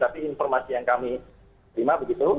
tapi informasi yang kami terima begitu